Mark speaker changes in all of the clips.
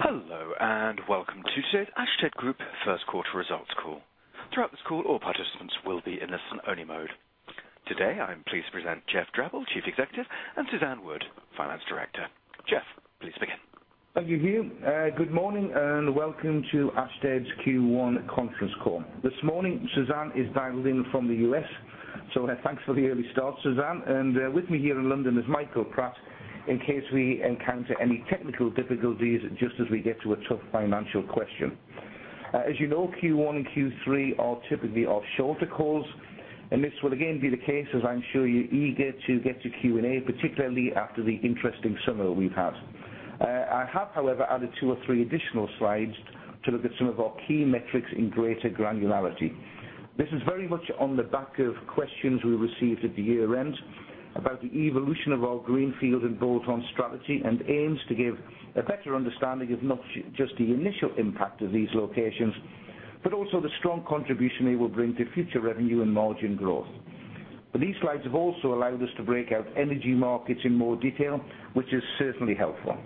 Speaker 1: Hello, welcome to today's Ashtead Group first quarter results call. Throughout this call, all participants will be in listen-only mode. Today, I am pleased to present Geoff Drabble, Chief Executive, and Suzanne Wood, Finance Director. Geoff, please begin.
Speaker 2: Thank you, Hugh. Good morning, welcome to Ashtead's Q1 conference call. This morning, Suzanne is dialed in from the U.S., thanks for the early start, Suzanne. With me here in London is Michael Pratt, in case we encounter any technical difficulties just as we get to a tough financial question. As you know, Q1 and Q3 are typically our shorter calls, this will again be the case, I'm sure you're eager to get to Q&A, particularly after the interesting summer we've had. I have, however, added two or three additional slides to look at some of our key metrics in greater granularity. This is very much on the back of questions we received at the year-end about the evolution of our greenfield and bolt-on strategy aims to give a better understanding of not just the initial impact of these locations, also the strong contribution they will bring to future revenue and margin growth. These slides have also allowed us to break out energy markets in more detail, which is certainly helpful.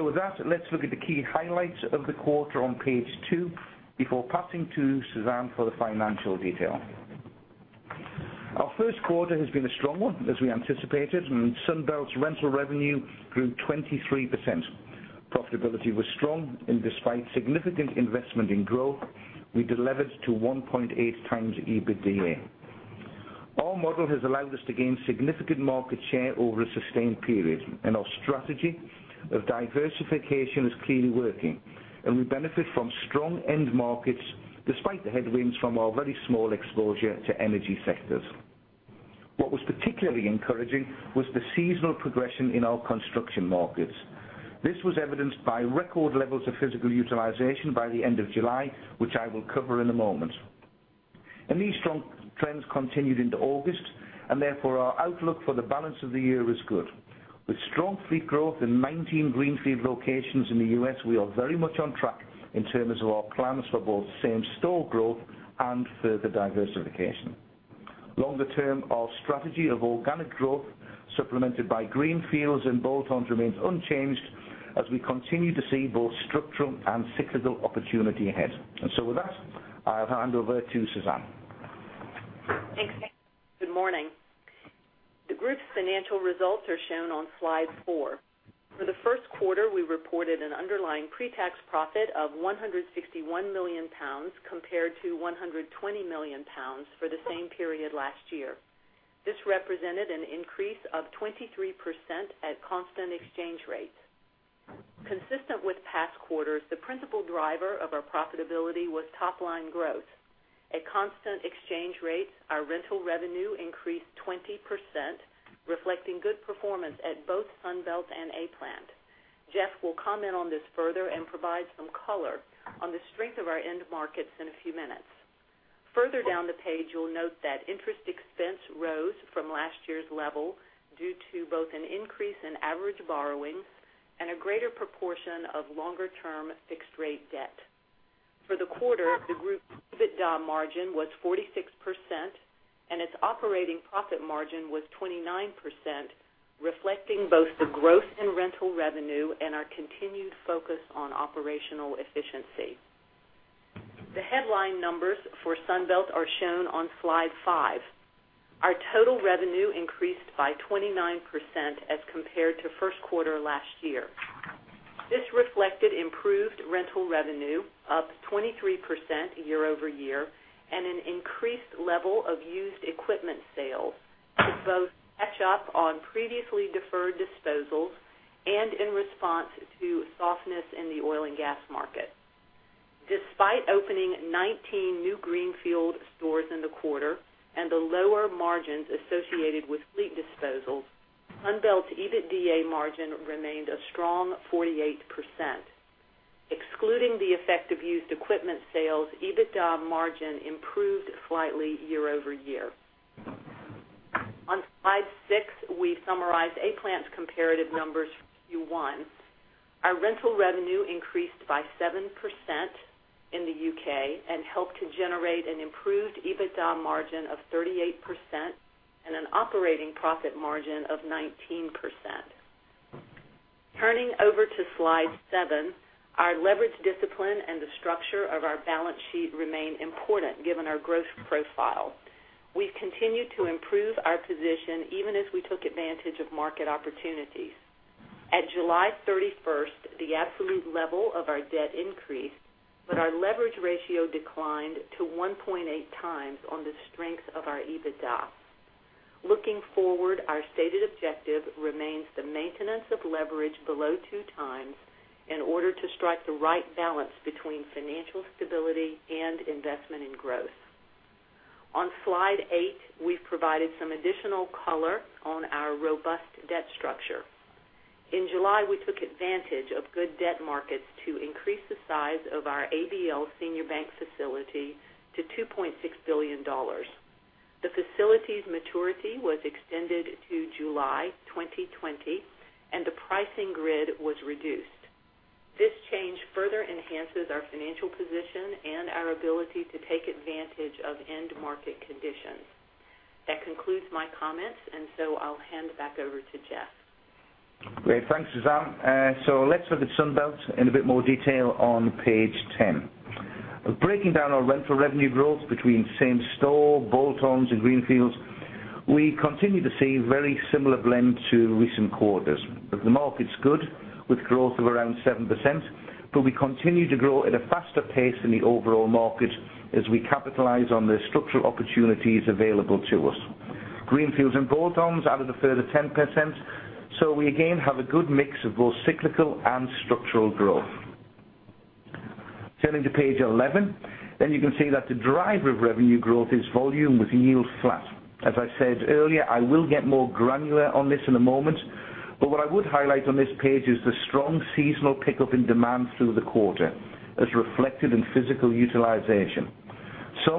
Speaker 2: With that, let's look at the key highlights of the quarter on page two before passing to Suzanne for the financial detail. Our first quarter has been a strong one, as we anticipated, Sunbelt's rental revenue grew 23%. Profitability was strong, despite significant investment in growth, we deleveraged to 1.8x EBITDA. Our model has allowed us to gain significant market share over a sustained period, our strategy of diversification is clearly working. We benefit from strong end markets despite the headwinds from our very small exposure to energy sectors. What was particularly encouraging was the seasonal progression in our construction markets. This was evidenced by record levels of physical utilization by the end of July, which I will cover in a moment. These strong trends continued into August, therefore our outlook for the balance of the year is good. With strong fleet growth in 19 greenfield locations in the U.S., we are very much on track in terms of our plans for both same-store growth and further diversification. Longer term, our strategy of organic growth supplemented by greenfields and bolt-ons remains unchanged as we continue to see both structural and cyclical opportunity ahead. With that, I'll hand over to Suzanne.
Speaker 3: Thanks. Good morning. The group's financial results are shown on slide four. For the first quarter, we reported an underlying pre-tax profit of 161 million pounds compared to 120 million pounds for the same period last year. This represented an increase of 23% at constant exchange rates. Consistent with past quarters, the principal driver of our profitability was top-line growth. At constant exchange rates, our rental revenue increased 20%, reflecting good performance at both Sunbelt and A-Plant. Geoff will comment on this further and provide some color on the strength of our end markets in a few minutes. Further down the page, you'll note that interest expense rose from last year's level due to both an increase in average borrowings and a greater proportion of longer-term fixed rate debt. For the quarter, the group's EBITDA margin was 46%, and its operating profit margin was 29%, reflecting both the growth in rental revenue and our continued focus on operational efficiency. The headline numbers for Sunbelt are shown on slide five. Our total revenue increased by 29% as compared to first quarter last year. This reflected improved rental revenue up 23% year-over-year, and an increased level of used equipment sales to both catch up on previously deferred disposals and in response to softness in the oil and gas market. Despite opening 19 new greenfield stores in the quarter and the lower margins associated with fleet disposals, Sunbelt's EBITDA margin remained a strong 48%. Excluding the effect of used equipment sales, EBITDA margin improved slightly year-over-year. On slide six, we summarize A-Plant's comparative numbers for Q1. Our rental revenue increased by 7% in the U.K. and helped to generate an improved EBITDA margin of 38% and an operating profit margin of 19%. Turning over to slide seven, our leverage discipline and the structure of our balance sheet remain important given our growth profile. We've continued to improve our position even as we took advantage of market opportunities. At July 31st, the absolute level of our debt increased, but our leverage ratio declined to 1.8x on the strength of our EBITDA. Looking forward, our stated objective remains the maintenance of leverage below 2x in order to strike the right balance between financial stability and investment in growth. On slide eight, we've provided some additional color on our robust debt structure. In July, we took advantage of good debt markets to increase the size of our ABL senior bank facility to $2.6 billion. The facility's maturity was extended to July 2020, and the pricing grid was reduced. This change further enhances our financial position and our ability to take advantage of end market conditions. That concludes my comments, and so I'll hand it back over to Geoff.
Speaker 2: Great. Thanks, Suzanne. Let's look at Sunbelt in a bit more detail on page 10. Breaking down our rental revenue growth between same-store, bolt-ons, and greenfields, we continue to see very similar blend to recent quarters. Look, the market's good, with growth of around 7%, but we continue to grow at a faster pace in the overall market as we capitalize on the structural opportunities available to us. Greenfields and bolt-ons added a further 10%, so we again have a good mix of both cyclical and structural growth. Turning to page 11, you can see that the driver of revenue growth is volume with yield flat. As I said earlier, I will get more granular on this in a moment, but what I would highlight on this page is the strong seasonal pickup in demand through the quarter as reflected in physical utilization.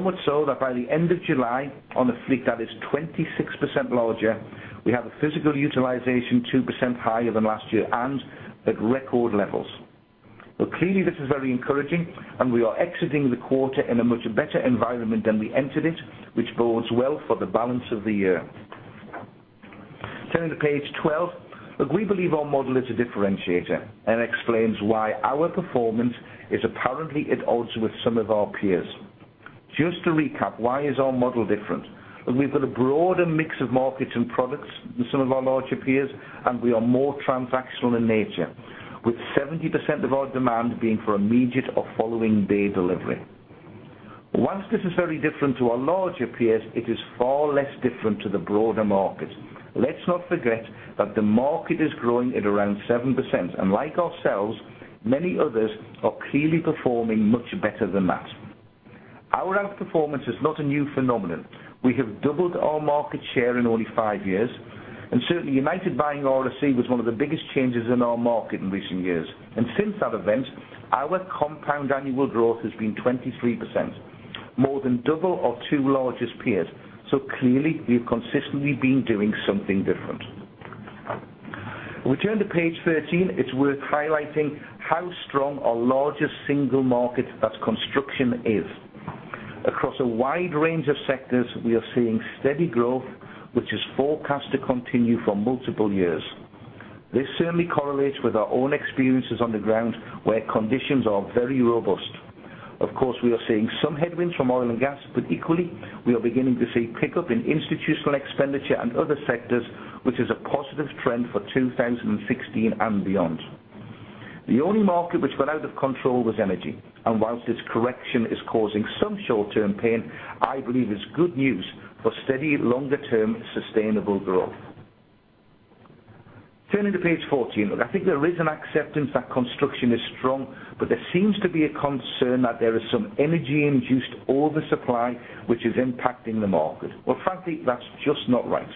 Speaker 2: Much so that by the end of July, on a fleet that is 26% larger, we have a physical utilization 2% higher than last year and at record levels. Clearly this is very encouraging, and we are exiting the quarter in a much better environment than we entered it, which bodes well for the balance of the year. Turning to page 12. Look, we believe our model is a differentiator and explains why our performance is apparently at odds with some of our peers. Just to recap, why is our model different? We've got a broader mix of markets and products than some of our larger peers, and we are more transactional in nature, with 70% of our demand being for immediate or following-day delivery. Whilst this is very different to our larger peers, it is far less different to the broader market. Let's not forget that the market is growing at around 7%, and like ourselves, many others are clearly performing much better than that. Our outperformance is not a new phenomenon. We have doubled our market share in only five years, and certainly, United Rentals buying RSC was one of the biggest changes in our market in recent years. Since that event, our compound annual growth has been 23%, more than double our two largest peers. Clearly we've consistently been doing something different. We turn to page 13. It's worth highlighting how strong our largest single market as construction is. Across a wide range of sectors, we are seeing steady growth, which is forecast to continue for multiple years. This certainly correlates with our own experiences on the ground where conditions are very robust. Of course, we are seeing some headwinds from oil and gas, equally, we are beginning to see pickup in institutional expenditure and other sectors, which is a positive trend for 2016 and beyond. The only market which got out of control was energy, whilst this correction is causing some short-term pain, I believe it's good news for steady, longer-term sustainable growth. Turning to page 14. Look, I think there is an acceptance that construction is strong, there seems to be a concern that there is some energy-induced oversupply which is impacting the market. Frankly, that's just not right.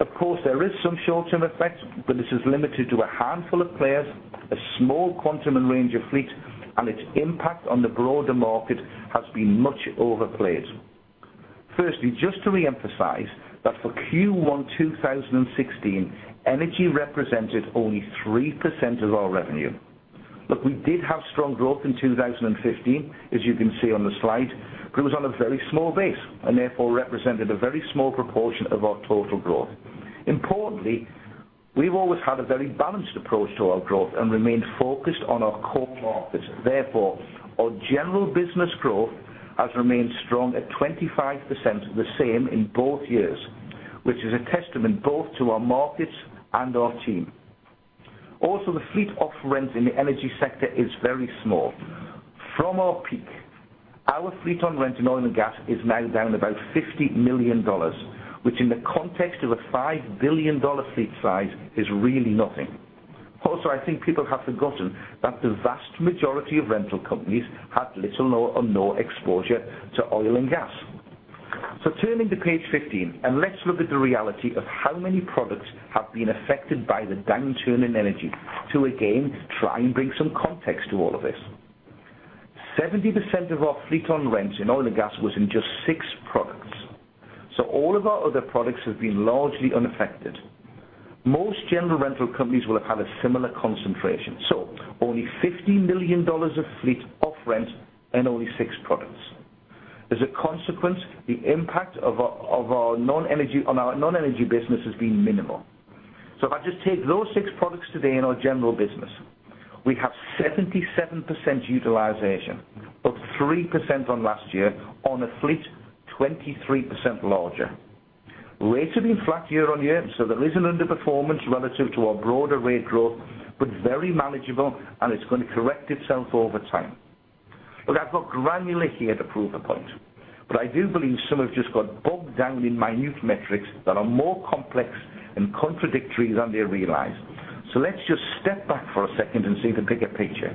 Speaker 2: Of course, there is some short-term effect, but this is limited to a handful of players, a small quantum and range of fleet, and its impact on the broader market has been much overplayed. Firstly, just to reemphasize that for Q1 2016, energy represented only 3% of our revenue. Look, we did have strong growth in 2015, as you can see on the slide, but it was on a very small base and therefore represented a very small proportion of our total growth. Importantly, we've always had a very balanced approach to our growth and remained focused on our core markets. Therefore, our general business growth has remained strong at 25%, the same in both years, which is a testament both to our markets and our team. Also, the fleet off rent in the energy sector is very small. From our peak, our fleet on rent in oil and gas is now down about GBP 50 million, which in the context of a GBP 5 billion fleet size is really nothing. Also, I think people have forgotten that the vast majority of rental companies had little or no exposure to oil and gas. Turning to page 15, let's look at the reality of how many products have been affected by the downturn in energy to again try and bring some context to all of this. 70% of our fleet on rent in oil and gas was in just six products. All of our other products have been largely unaffected. Most general rental companies will have had a similar concentration. Only GBP 50 million of fleet off rent in only six products. As a consequence, the impact on our non-energy business has been minimal. If I just take those six products today in our general business, we have 77% utilization, up 3% on last year on a fleet 23% larger. Rates have been flat year-on-year, there is an underperformance relative to our broader rate growth, but very manageable and it's going to correct itself over time. Look, I've got granular here to prove a point, but I do believe some have just got bogged down in minute metrics that are more complex and contradictory than they realize. Let's just step back for a second and see the bigger picture.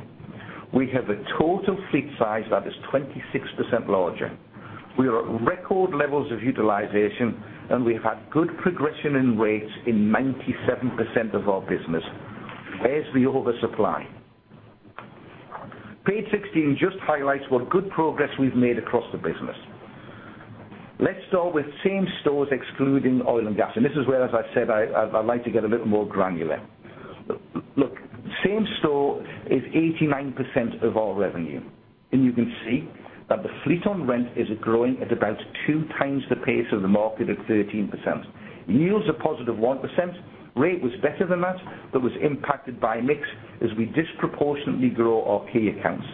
Speaker 2: We have a total fleet size that is 26% larger. We are at record levels of utilization, we've had good progression in rates in 97% of our business. Where's the oversupply? Page 16 just highlights what good progress we've made across the business. Let's start with same stores excluding oil and gas. This is where, as I've said, I'd like to get a little more granular. Look, same-store is 89% of our revenue, you can see that the fleet on rent is growing at about two times the pace of the market at 13%. Yields are positive 1%, rate was better than that, but was impacted by mix as we disproportionately grow our key accounts.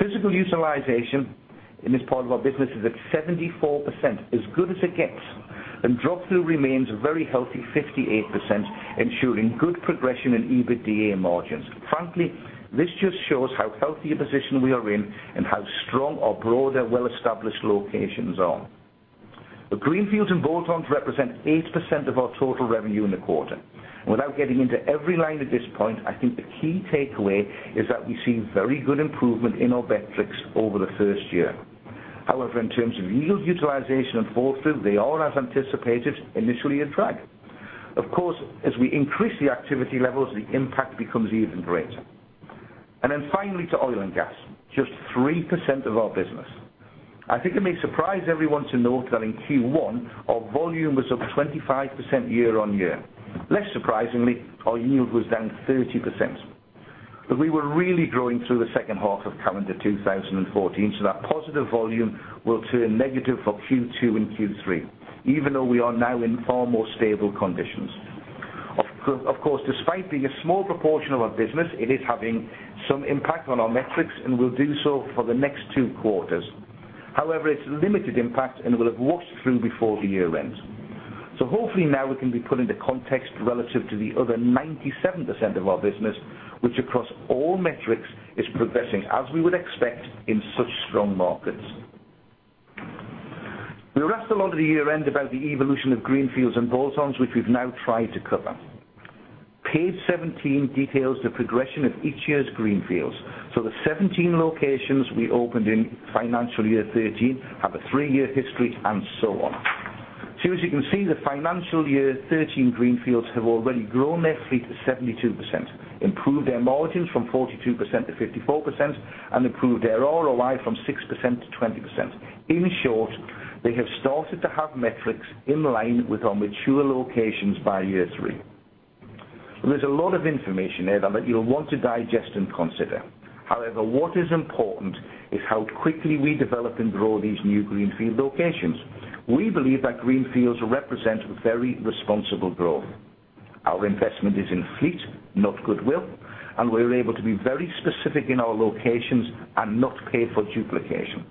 Speaker 2: Physical utilization in this part of our business is at 74%, as good as it gets, drop-through remains a very healthy 58%, ensuring good progression in EBITDA margins. Frankly, this just shows how healthy a position we are in and how strong our broader, well-established locations are. The greenfields and bolt-ons represent 8% of our total revenue in the quarter. Without getting into every line at this point, I think the key takeaway is that we see very good improvement in our metrics over the first year. In terms of yield utilization and pull-through, they all, as anticipated, initially attract. As we increase the activity levels, the impact becomes even greater. Finally, to oil and gas, just 3% of our business. I think it may surprise everyone to note that in Q1, our volume was up 25% year-on-year. Less surprisingly, our yield was down 30%, but we were really growing through the second half of calendar 2014, so that positive volume will turn negative for Q2 and Q3, even though we are now in far more stable conditions. Despite being a small proportion of our business, it is having some impact on our metrics and will do so for the next two quarters. It's limited impact and will have washed through before the year ends. Hopefully now we can be put into context relative to the other 97% of our business, which across all metrics is progressing as we would expect in such strong markets. We were asked a lot at the year end about the evolution of greenfields and bolt-ons, which we've now tried to cover. Page 17 details the progression of each year's greenfields. The 17 locations we opened in financial year 2013 have a three-year history and so on. As you can see, the financial year 2013 greenfields have already grown their fleet to 72%, improved their margins from 42% to 54%, and improved their ROI from 6% to 20%. In short, they have started to have metrics in line with our mature locations by year three. There's a lot of information there that you'll want to digest and consider. What is important is how quickly we develop and grow these new greenfield locations. We believe that greenfields represent very responsible growth. Our investment is in fleet, not goodwill, and we're able to be very specific in our locations and not pay for duplication.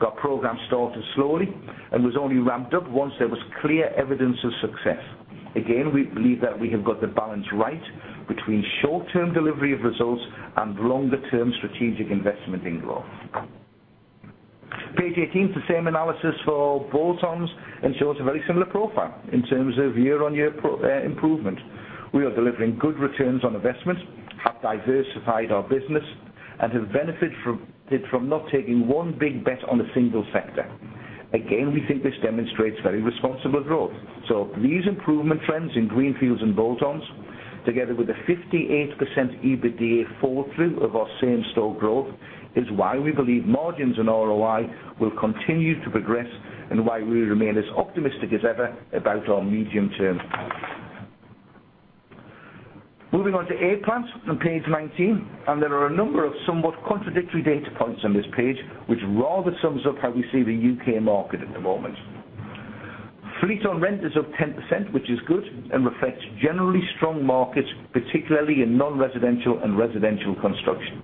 Speaker 2: The program started slowly and was only ramped up once there was clear evidence of success. Again, we believe that we have got the balance right between short-term delivery of results and longer term strategic investment in growth. Page 18 is the same analysis for bolt-ons and shows a very similar profile in terms of year-on-year improvement. We are delivering good returns on investment, have diversified our business, and have benefited from not taking one big bet on a single sector. Again, we think this demonstrates very responsible growth. These improvement trends in greenfields and bolt-ons, together with the 58% EBITDA fall-through of our same-store growth, is why we believe margins and ROI will continue to progress and why we remain as optimistic as ever about our medium term. Moving on to A-Plant's on page 19, there are a number of somewhat contradictory data points on this page, which rather sums up how we see the U.K. market at the moment. Fleet on rent is up 10%, which is good, and reflects generally strong markets, particularly in non-residential and residential construction.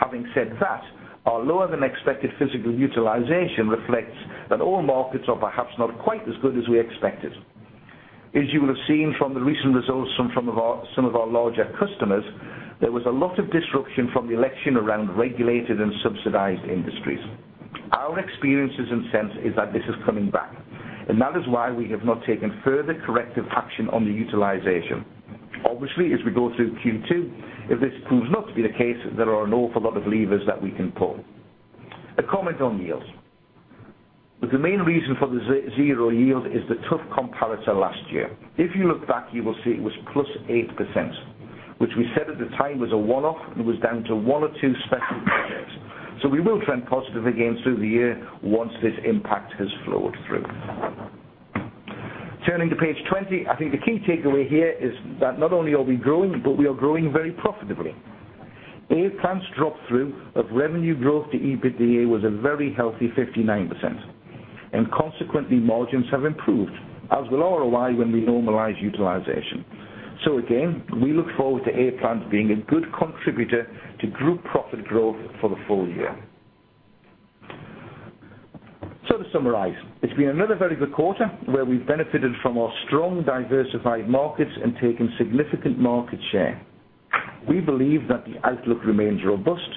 Speaker 2: Having said that, our lower than expected physical utilization reflects that all markets are perhaps not quite as good as we expected. As you will have seen from the recent results from some of our larger customers, there was a lot of disruption from the election around regulated and subsidized industries. Our experiences and sense is that this is coming back, and that is why we have not taken further corrective action on the utilization. Obviously, as we go through Q2, if this proves not to be the case, there are an awful lot of levers that we can pull. A comment on yields. The main reason for the zero yield is the tough comparator last year. If you look back, you will see it was +8%, which we said at the time was a one-off and was down to one or two special projects. We will trend positive again through the year once this impact has flowed through. Turning to page 20, I think the key takeaway here is that not only are we growing, but we are growing very profitably. A-Plant's drop-through of revenue growth to EBITDA was a very healthy 59%, and consequently, margins have improved, as will our ROI when we normalize utilization. Again, we look forward to A-Plant's being a good contributor to group profit growth for the full year. To summarize, it's been another very good quarter where we benefited from our strong diversified markets and taken significant market share. We believe that the outlook remains robust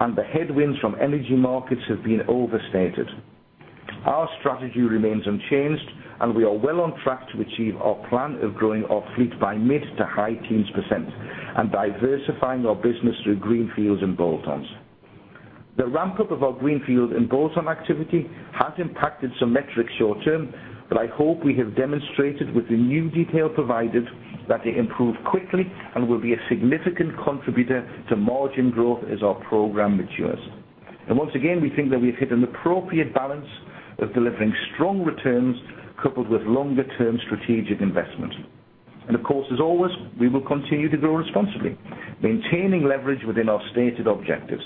Speaker 2: and the headwinds from energy markets have been overstated. Our strategy remains unchanged and we are well on track to achieve our plan of growing our fleet by mid to high teens% and diversifying our business through greenfields and bolt-ons. The ramp-up of our greenfield and bolt-on activity has impacted some metrics short term, but I hope we have demonstrated with the new detail provided that they improve quickly and will be a significant contributor to margin growth as our program matures. Once again, we think that we've hit an appropriate balance of delivering strong returns coupled with longer term strategic investment. Of course, as always, we will continue to grow responsibly, maintaining leverage within our stated objectives.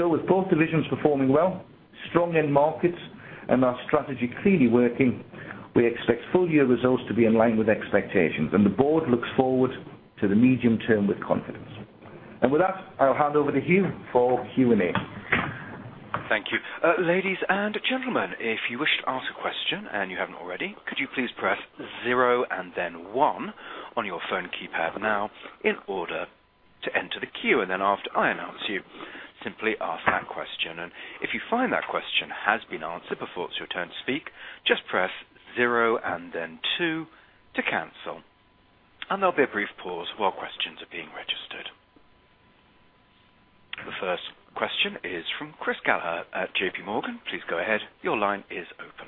Speaker 2: With both divisions performing well, strong end markets, and our strategy clearly working, we expect full year results to be in line with expectations. The board looks forward to the medium term with confidence. With that, I'll hand over to Hugh for Q&A.
Speaker 1: Thank you. Ladies and gentlemen, if you wish to ask a question and you haven't already, could you please press zero and then one on your phone keypad now in order to enter the queue. Then after I announce you, simply ask that question. If you find that question has been answered before it's your turn to speak, just press zero and then two to cancel. There'll be a brief pause while questions are being registered. The first question is from Chris Gallagher at JPMorgan. Please go ahead. Your line is open.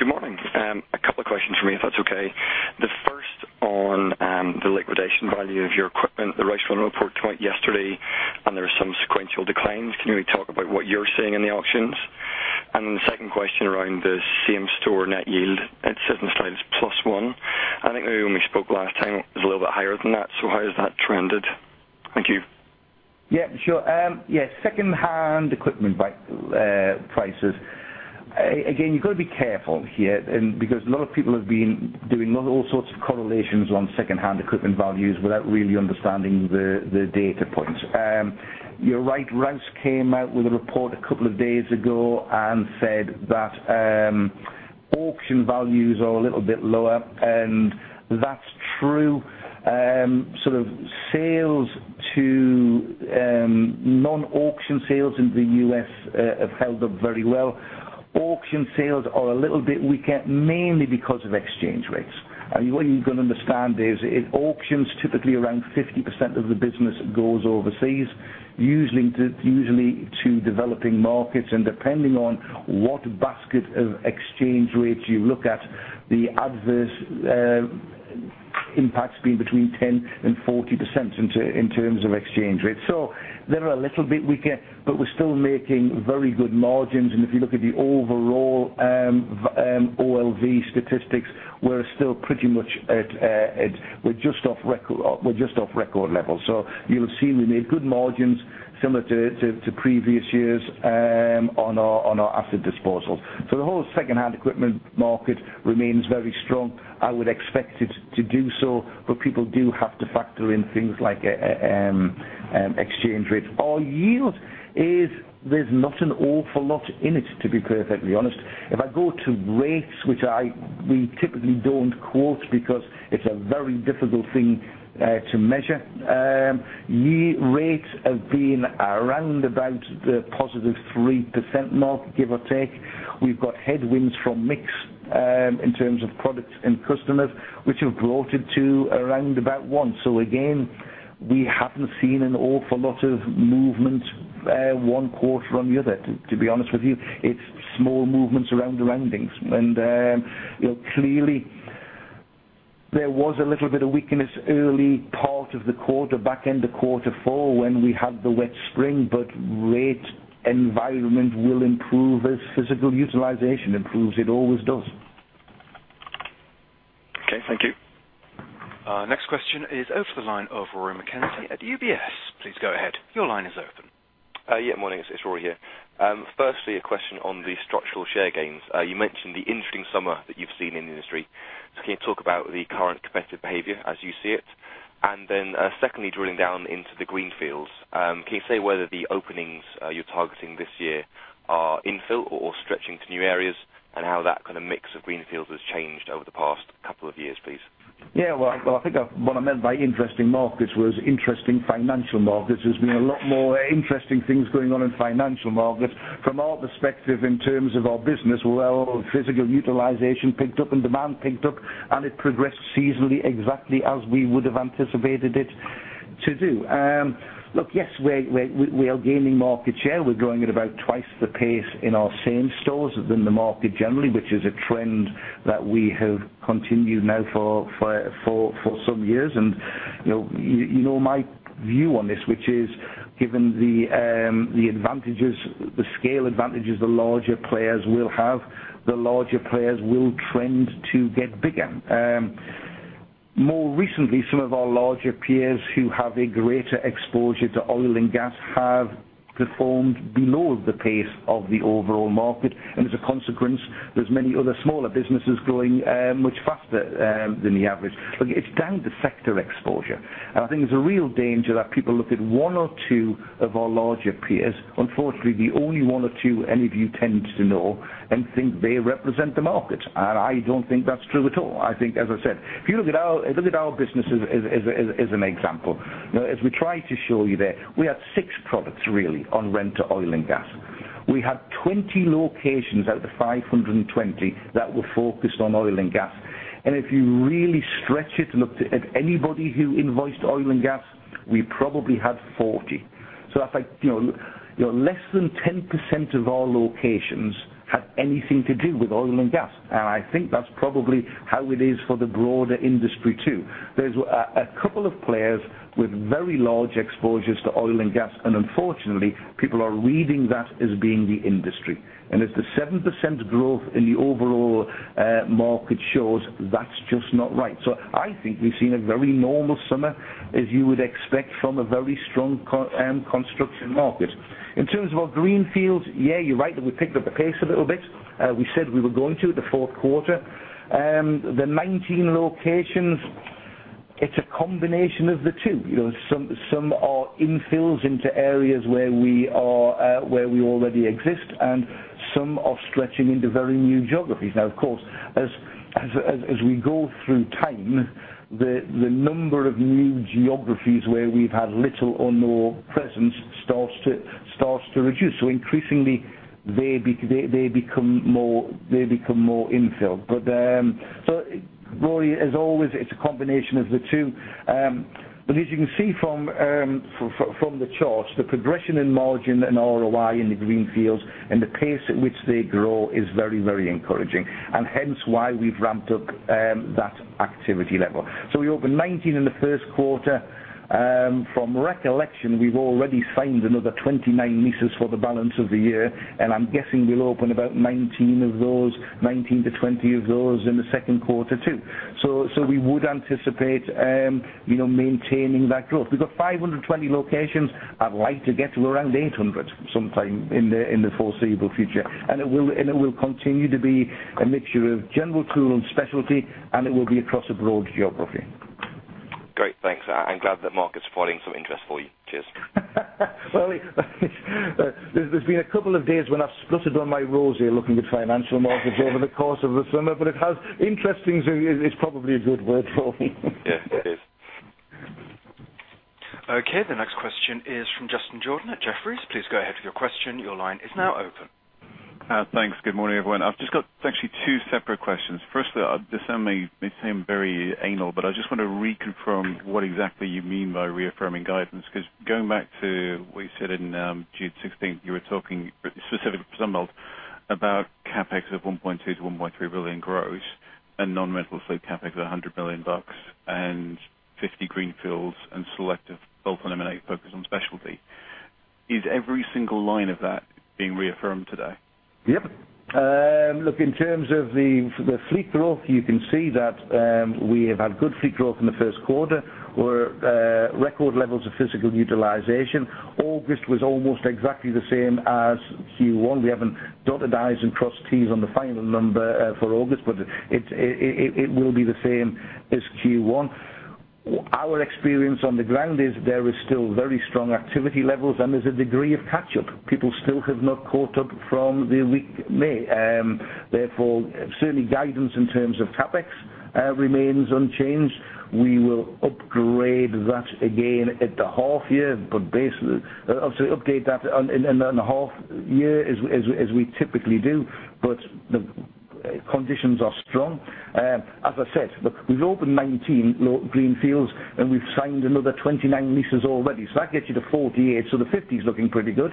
Speaker 4: Good morning. A couple of questions from me, if that's okay. The first on the liquidation value of your equipment. The Rouse report came out yesterday, and there are some sequential declines. Can you maybe talk about what you're seeing in the auctions? The second question around the same-store net yield at [inaudible] +1%. I think maybe when we spoke last time, it was a little bit higher than that. How has that trended? Thank you.
Speaker 2: Yeah, sure. Yes, secondhand equipment prices. Again, you got to be careful here because a lot of people have been doing all sorts of correlations on secondhand equipment values without really understanding the data points. You're right, Rouse came out with a report a couple of days ago and said that auction values are a little bit lower, and that's true. Sort of sales to non-auction sales in the U.S. have held up very well. Auction sales are a little bit weaker, mainly because of exchange rates. What you can understand is in auctions, typically around 50% of the business goes overseas, usually to developing markets. Depending on what basket of exchange rates you look at, the adverse impact's been between 10% and 40% in terms of exchange rates. They're a little bit weaker, but we're still making very good margins. If you look at the overall OLV statistics, we're still pretty much at, just off record level. You'll have seen we made good margins similar to previous years on our asset disposals. The whole secondhand equipment market remains very strong. I would expect it to do so, but people do have to factor in things like exchange rates. Our yield is, there's not an awful lot in it, to be perfectly honest. If I go to rates, which we typically don't quote because it's a very difficult thing to measure. Year rates have been around about the positive 3% mark, give or take. We've got headwinds from mix in terms of products and customers, which have brought it to around about 1%. Again, we haven't seen an awful lot of movement one quarter or the other, to be honest with you. It's small movements around the roundings. Clearly there was a little bit of weakness early part of the quarter, back end of quarter four when we had the wet spring, rate environment will improve as physical utilization improves. It always does.
Speaker 4: Okay, thank you.
Speaker 1: Next question is over the line of Rory McKenzie at UBS. Please go ahead. Your line is open.
Speaker 5: Yeah, morning. It's Rory here. Firstly, a question on the structural share gains. You mentioned the interesting summer that you've seen in the industry. Can you talk about the current competitive behavior as you see it? Secondly, drilling down into the greenfields. Can you say whether the openings you're targeting this year are infill or stretching to new areas, and how that kind of mix of greenfields has changed over the past couple of years, please?
Speaker 2: Yeah, well, I think what I meant by interesting markets was interesting financial markets. There's been a lot more interesting things going on in financial markets. From our perspective in terms of our business, well, physical utilization picked up and demand picked up, and it progressed seasonally exactly as we would have anticipated it to do. Look, yes, we are gaining market share. We're growing at about twice the pace in our same stores than the market generally, which is a trend that we have continued now for some years. You know my view on this, which is given the scale advantages the larger players will have, the larger players will trend to get bigger. More recently, some of our larger peers who have a greater exposure to oil and gas have performed below the pace of the overall market. As a consequence, there's many other smaller businesses growing much faster than the average. Look, it's down to sector exposure. I think there's a real danger that people look at one or two of our larger peers, unfortunately, the only one or two any of you tend to know, and think they represent the market. I don't think that's true at all. I think, as I said, if you look at our business as an example, as we try to show you there, we had six products really on rent to oil and gas. We had 20 locations out of the 520 that were focused on oil and gas. If you really stretch it, looked at anybody who invoiced oil and gas, we probably had 40. That's less than 10% of our locations had anything to do with oil and gas. I think that's probably how it is for the broader industry, too. There's a couple of players with very large exposures to oil and gas, and unfortunately, people are reading that as being the industry. As the 7% growth in the overall market shows, that's just not right. I think we've seen a very normal summer, as you would expect from a very strong construction market. In terms of our greenfields, yeah, you're right that we picked up the pace a little bit. We said we were going to the fourth quarter. The 19 locations, it's a combination of the two. Some are infills into areas where we already exist, and some are stretching into very new geographies. Now, of course, as we go through time, the number of new geographies where we've had little or no presence starts to reduce. Increasingly, they become more infilled. Rory, as always, it's a combination of the two. As you can see from the charts, the progression in margin and ROI in the greenfields and the pace at which they grow is very encouraging and hence why we've ramped up that activity level. We opened 19 in the first quarter. From recollection, we've already signed another 29 leases for the balance of the year, and I'm guessing we'll open about 19 to 20 of those in the second quarter, too. We would anticipate maintaining that growth. We've got 520 locations. I'd like to get to around 800 sometime in the foreseeable future. It will continue to be a mixture of general tool and specialty, and it will be across a broad geography.
Speaker 5: Great. Thanks. I'm glad that market's providing some interest for you. Cheers.
Speaker 2: Well, there's been a couple of days when I've spluttered on my roses looking at financial markets over the course of the summer, it has. Interesting is probably a good word for me.
Speaker 5: Yes, it is.
Speaker 1: Okay. The next question is from Justin Jordan at Jefferies. Please go ahead with your question. Your line is now open.
Speaker 6: Thanks. Good morning, everyone. I've just got actually two separate questions. Firstly, this may seem very anal, I just want to reconfirm what exactly you mean by reaffirming guidance. Going back to what you said in June 16th, you were talking specifically for Sunbelt about CapEx of 1.2 billion-1.3 billion gross and non-rental fleet CapEx of GBP 100 million and 50 greenfields and selective bolt-on M&A focused on specialty. Is every single line of that being reaffirmed today?
Speaker 2: Yep. Look, in terms of the fleet growth, you can see that we have had good fleet growth in the first quarter. We're at record levels of physical utilization. August was almost exactly the same as Q1. We haven't dotted I's and crossed T's on the final number for August, but it will be the same as Q1. Our experience on the ground is there is still very strong activity levels, and there's a degree of catch-up. People still have not caught up from the weak May. Certainly guidance in terms of CapEx remains unchanged. We will upgrade that again at the half year. Update that in a half year as we typically do. The conditions are strong. As I said, look, we've opened 19 greenfields, and we've signed another 29 leases already, so that gets you to 48, so the 50 is looking pretty good.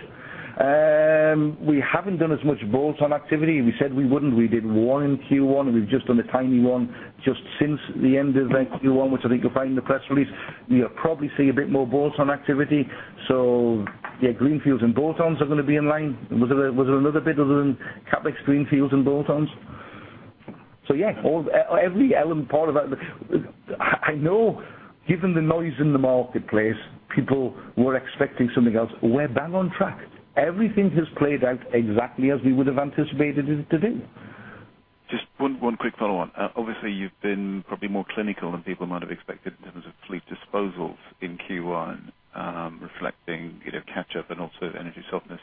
Speaker 2: We haven't done as much bolt-on activity. We said we wouldn't. We did one in Q1, and we've just done a tiny one just since the end of Q1, which I think you'll find in the press release. You'll probably see a bit more bolt-on activity. Greenfields and bolt-ons are going to be in line. Was there another bit other than CapEx greenfields and bolt-ons? Every element, part of that. I know given the noise in the marketplace, people were expecting something else. We're bang on track. Everything has played out exactly as we would have anticipated it to do.
Speaker 6: Just one quick follow-on. You've been probably more clinical than people might have expected in terms of fleet disposals in Q1, reflecting catch-up and also energy softness.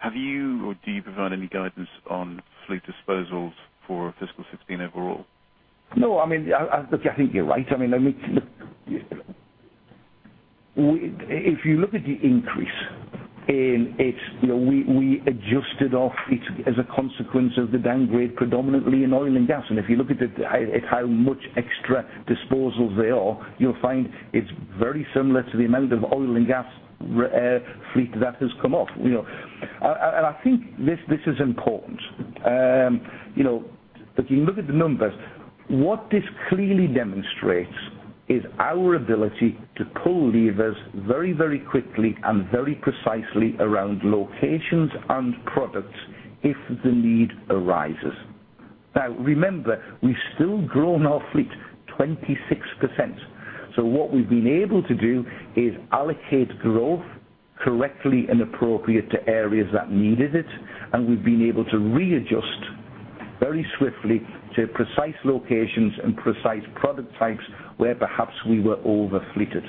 Speaker 6: Have you or do you provide any guidance on fleet disposals for fiscal 2016 overall?
Speaker 2: No. I think you're right. If you look at the increase in it, we adjusted off it as a consequence of the downgrade predominantly in oil and gas. If you look at how much extra disposals there are, you'll find it's very similar to the amount of oil and gas fleet that has come off. I think this is important. If you look at the numbers, what this clearly demonstrates is our ability to pull levers very quickly and very precisely around locations and products if the need arises. Remember, we've still grown our fleet 26%. What we've been able to do is allocate growth correctly and appropriate to areas that needed it, and we've been able to readjust very swiftly to precise locations and precise product types where perhaps we were over fleeted.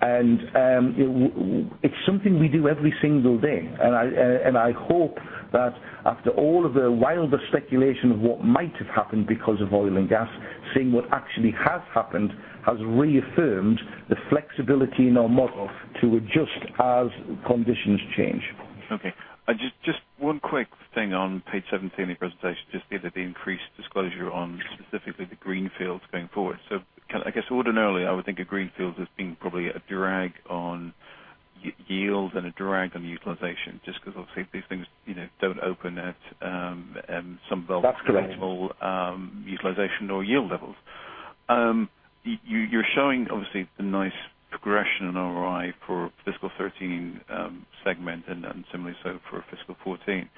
Speaker 2: It's something we do every single day. I hope that after all of the wilder speculation of what might have happened because of oil and gas, seeing what actually has happened has reaffirmed the flexibility in our model to adjust as conditions change.
Speaker 6: Okay. Just one quick thing on page 17 of your presentation, just either the increased disclosure on specifically the greenfields going forward. I guess ordinarily, I would think a greenfield as being probably a drag on yields and a drag on utilization, just because obviously these things don't open at-
Speaker 2: That's correct
Speaker 6: Sunbelt's traditional utilization or yield levels. You're showing obviously the nice progression in ROI for fiscal 2013 segment and similarly so for fiscal 2014.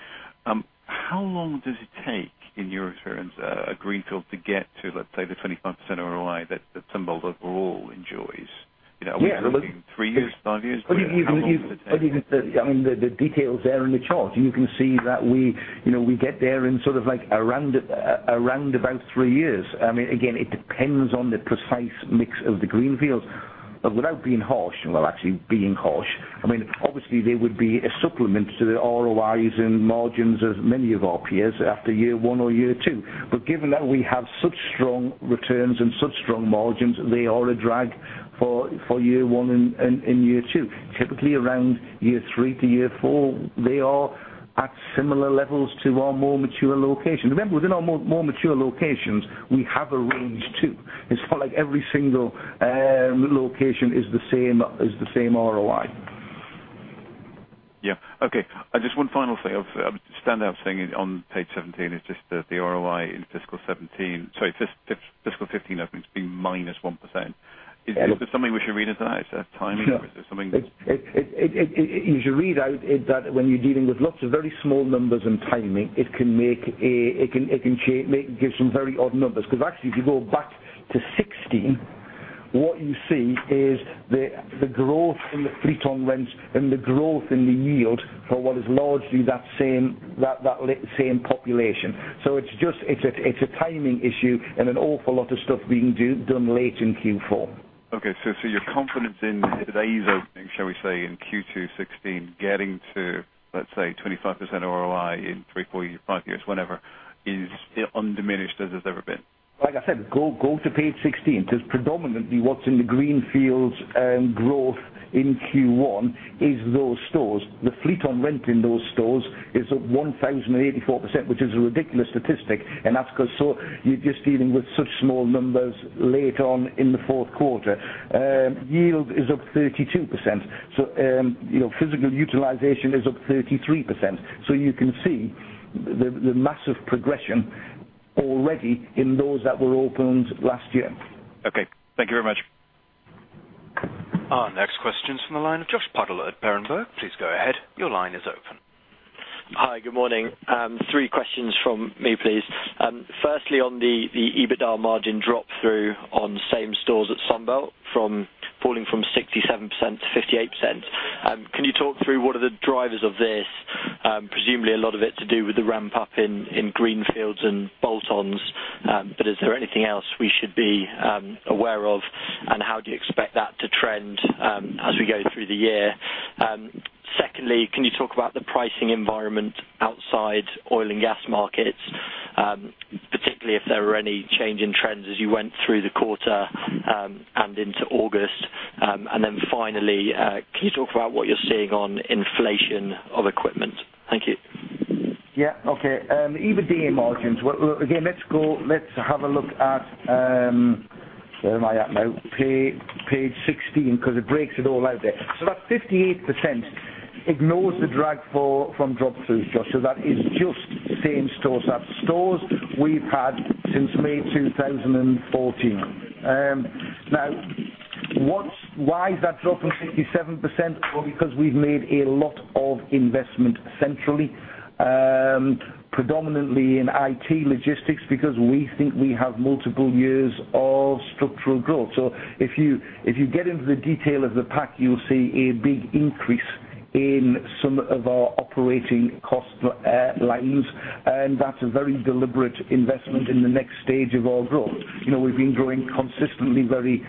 Speaker 6: How long does it take, in your experience, a greenfield to get to, let's say, the 25% ROI that Sunbelt overall enjoys?
Speaker 2: Yeah.
Speaker 6: Are we talking three years, five years? How long does it take?
Speaker 2: The details are in the chart. You can see that we get there in sort of around about three years. Again, it depends on the precise mix of the greenfields. Without being harsh, well, actually being harsh, obviously there would be a supplement to the ROIs and margins of many of our peers after year one or year two. Given that we have such strong returns and such strong margins, they are a drag for year one and year two. Typically, around year three to year four, they are at similar levels to our more mature locations. Remember, within our more mature locations, we have a range too. It's not like every single location is the same ROI.
Speaker 6: Yeah. Okay. Just one final thing. A standout thing on page 17 is just the ROI in fiscal 2015 looking to be -1%. Is there something we should read into that? Is that timing? Is there something-
Speaker 2: You should read out that when you're dealing with lots of very small numbers and timing, it can give some very odd numbers, because actually, if you go back to 2016, what you see is the growth in the fleet on rents and the growth in the yield for what is largely that same population. It's a timing issue and an awful lot of stuff being done late in Q4.
Speaker 6: Okay. You're confident in today's opening, shall we say, in Q2 2016, getting to, let's say, 25% ROI in three, four, five years, whenever, is undiminished as it's ever been?
Speaker 2: Like I said, go to page 16, predominantly what's in the greenfield growth in Q1 is those stores. The fleet on rent in those stores is up 1,084%, which is a ridiculous statistic, and that's because you're just dealing with such small numbers late on in the fourth quarter. Yield is up 32%. Physical utilization is up 33%. You can see the massive progression already in those that were opened last year.
Speaker 6: Okay. Thank you very much.
Speaker 1: Our next question's from the line of Josh Butler at Berenberg. Please go ahead. Your line is open.
Speaker 7: Hi. Good morning. Three questions from me, please. Firstly, on the EBITDA margin drop-through on same-stores at Sunbelt falling from 67% to 58%. Can you talk through what are the drivers of this? Presumably a lot of it to do with the ramp-up in greenfields and bolt-ons. Is there anything else we should be aware of, and how do you expect that to trend as we go through the year? Secondly, can you talk about the pricing environment outside oil and gas markets, particularly if there were any change in trends as you went through the quarter and into August? Finally, can you talk about what you're seeing on inflation of equipment? Thank you.
Speaker 2: Yeah. Okay. EBITDA margins. Let's have a look at, where am I at now? Page 16, because it breaks it all out there. That 58% ignores the drag from drop-throughs, Josh. That is just same-stores. That's stores we've had since May 2014. Why is that drop from 67%? Well, because we've made a lot of investment centrally, predominantly in IT logistics, because we think we have multiple years of structural growth. If you get into the detail of the pack, you'll see a big increase in some of our operating cost lines, and that's a very deliberate investment in the next stage of our growth. We've been growing consistently very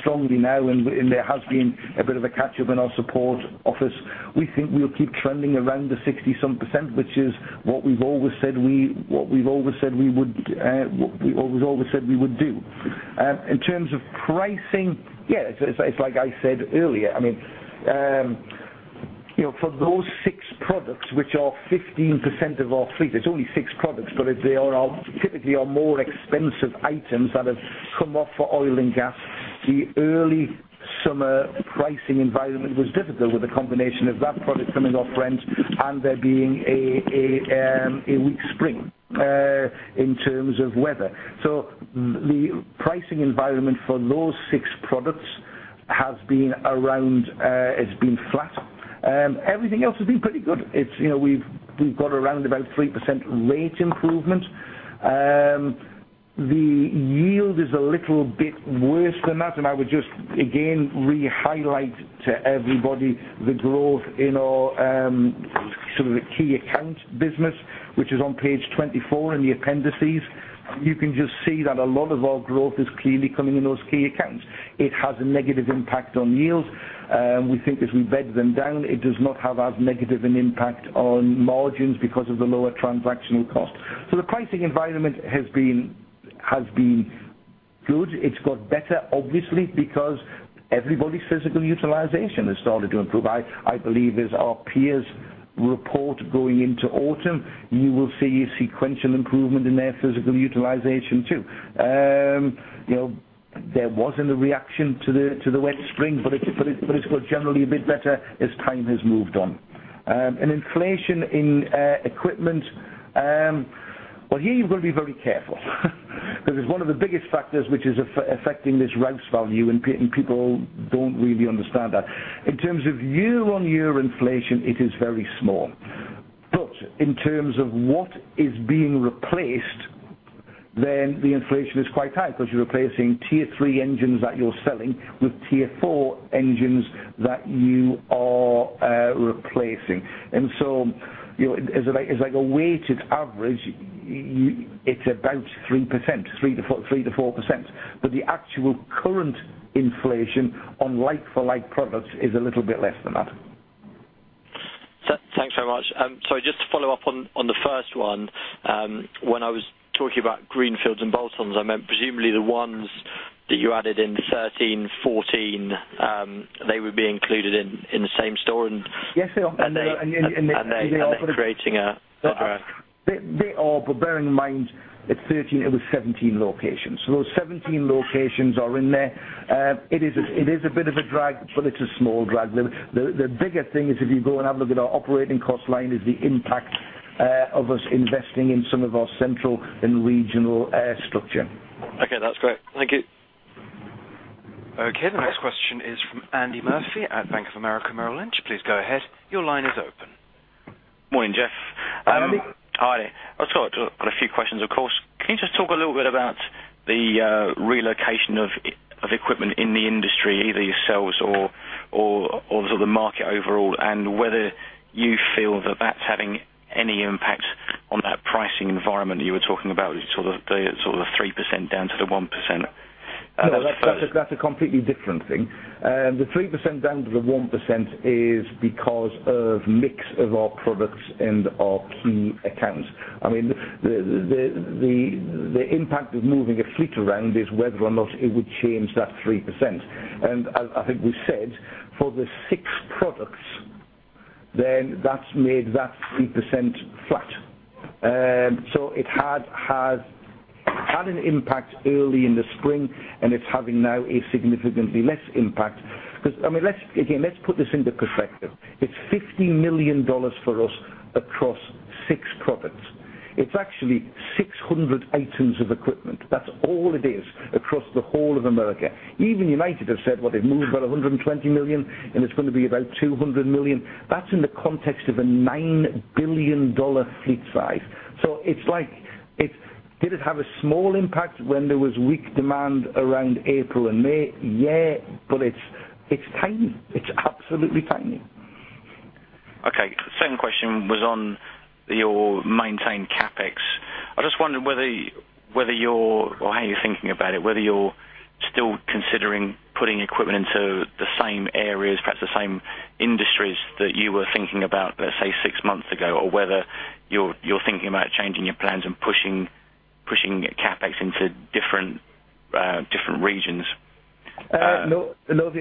Speaker 2: strongly now, and there has been a bit of a catch-up in our support office. We think we'll keep trending around the 60-some percent, which is what we've always said we would do. In terms of pricing, yeah, it's like I said earlier. For those six products, which are 15% of our fleet. It's only six products, but they typically are more expensive items that have come off for oil and gas. The early summer pricing environment was difficult with the combination of that product coming off rent and there being a weak spring in terms of weather. The pricing environment for those six products has been flat. Everything else has been pretty good. We've got around about 3% rate improvement. The yield is a little bit worse than that, and I would just, again, re-highlight to everybody the growth in our key accounts business, which is on page 24 in the appendices. You can just see that a lot of our growth is clearly coming in those key accounts. It has a negative impact on yields. We think as we bed them down, it does not have as negative an impact on margins because of the lower transactional cost. The pricing environment has been good. It's got better, obviously, because everybody's physical utilization has started to improve. I believe as our peers report going into autumn, you will see a sequential improvement in their physical utilization too. There wasn't a reaction to the wet spring, it's got generally a bit better as time has moved on. Inflation in equipment, well, here you've got to be very careful because it's one of the biggest factors which is affecting this Rouse value, and people don't really understand that. In terms of year-on-year inflation, it is very small. In terms of what is being replaced, then the inflation is quite high because you're replacing Tier 3 engines that you're selling with Tier 4 engines that you are replacing. As like a weighted average, it's about 3%, 3%-4%. The actual current inflation on like-for-like products is a little bit less than that.
Speaker 7: Thanks very much. Sorry, just to follow up on the first one. When I was talking about greenfields and bolt-ons, I meant presumably the ones that you added in 2013, 2014, they would be included in the same-store.
Speaker 2: Yes, they are.
Speaker 7: They are creating a drag.
Speaker 2: They are. Bear in mind, at 2013, it was 17 locations. Those 17 locations are in there. It is a bit of a drag, but it's a small drag. The bigger thing is if you go and have a look at our operating cost line is the impact of us investing in some of our central and regional infrastructure.
Speaker 7: That's great. Thank you.
Speaker 1: The next question is from Andy Murphy at Bank of America Merrill Lynch. Please go ahead. Your line is open.
Speaker 8: Morning, Geoff.
Speaker 2: Andy.
Speaker 8: Hi. I've got a few questions, of course. Can you just talk a little bit about the relocation of equipment in the industry, either yourselves or the market overall, and whether you feel that that's having any impact on that pricing environment you were talking about, the 3% down to the 1%?
Speaker 2: No, that's a completely different thing. The 3% down to the 1% is because of mix of our products and our key accounts. The impact of moving a fleet around is whether or not it would change that 3%. I think we said for the six products, that's made that 3% flat. It had an impact early in the spring, and it's having now a significantly less impact because, again, let's put this into perspective. It's $50 million for us across six products. It's actually 600 items of equipment. That's all it is across the whole of America. Even United have said, well, they've moved about $120 million, and it's going to be about $200 million. That's in the context of a $9 billion fleet size. Did it have a small impact when there was weak demand around April and May? Yeah, but it's tiny. It's absolutely tiny.
Speaker 8: Okay. Second question was on your maintained CapEx. I just wonder, how you're thinking about it, whether you're still considering putting equipment into the same areas, perhaps the same industries that you were thinking about, let's say, six months ago, or whether you're thinking about changing your plans and pushing CapEx into different regions.
Speaker 2: Let's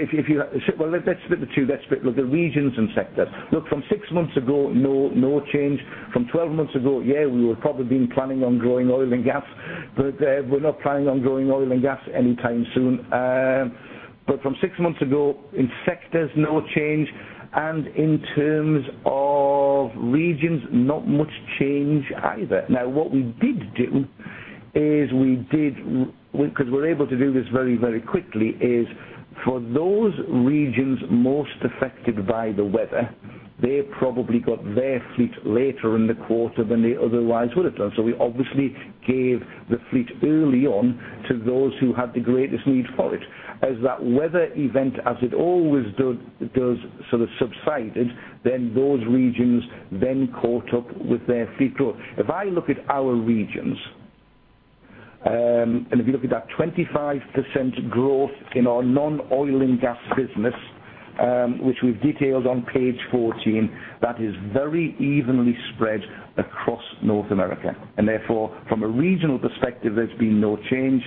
Speaker 2: split the two. Let's split the regions and sectors. From 6 months ago, no change. From 12 months ago, yeah, we would probably been planning on growing oil and gas, but we're not planning on growing oil and gas anytime soon. From 6 months ago, in sectors, no change, and in terms of regions, not much change either. What we did do is because we're able to do this very quickly is for those regions most affected by the weather, they probably got their fleet later in the quarter than they otherwise would have done. We obviously gave the fleet early on to those who had the greatest need for it. As that weather event, as it always does, sort of subsided, those regions caught up with their fleet growth. If I look at our regions, if you look at that 25% growth in our non-oil and gas business, which we've detailed on page 14, that is very evenly spread across North America. Therefore, from a regional perspective, there's been no change.